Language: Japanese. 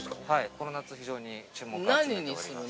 ◆この夏非常に注目を集めております。